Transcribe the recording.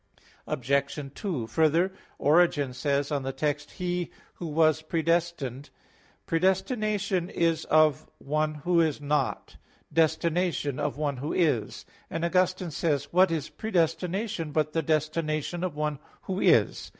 Obj. 2: Further, Origen says on the text, "He who was predestined," etc. (Rom. 1:4): "Predestination is of one who is not; destination, of one who is." And Augustine says (De Praed. Sanct.): "What is predestination but the destination of one who is?"